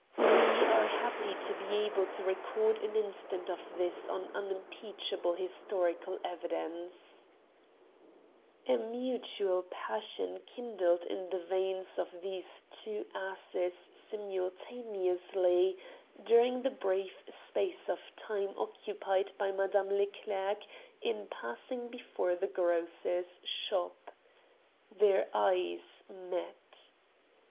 We are happy to be able to record an instance of this on unimpeachable historical evidence. 207 Curiosities of Olden Times A mutual passion kindled in the veins of these two asses simultaneously, during the brief space of time occupied by Madame Leclerc in passing before the grocer's shop. Their eyes met.